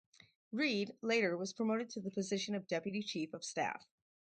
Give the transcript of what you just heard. Reid later was promoted to the position of Deputy Chief of Staff.